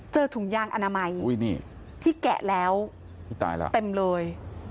เจอถุงยางอนามัยที่แกะแล้วเต็มเลย